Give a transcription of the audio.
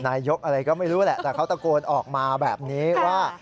นายกอะไรก็ไม่รู้แหละแต่เขาตะโกนออกมาแบบนี้ว่า